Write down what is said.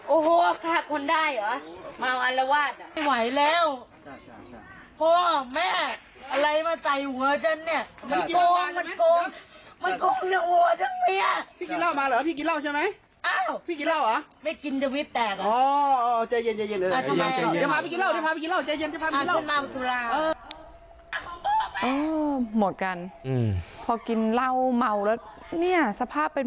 โอ้โหโอ้โหฆ่าคนได้เหรอมาวานละว่าน